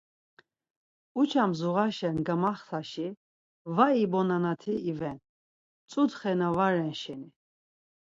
Uça mzuğaşen gamaxtaşi va ibonanati iven, mtzutxe na va ren şeni.